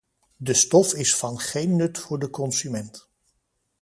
De stof is van geen nut voor de consument.